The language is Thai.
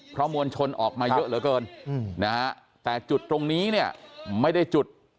เพราะมวลชนออกมาเยอะเหลือเกินนะฮะแต่จุดตรงนี้เนี่ยไม่ได้จุด